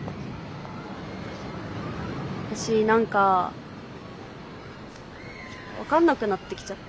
私何か分かんなくなってきちゃって。